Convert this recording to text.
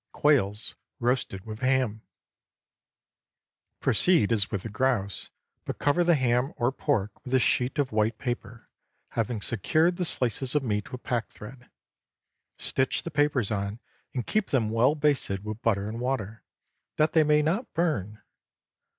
QUAILS ROASTED WITH HAM. ✠ Proceed as with the grouse, but cover the ham or pork with a sheet of white paper, having secured the slices of meat with pack thread. Stitch the papers on, and keep them well basted with butter and water, that they may not burn.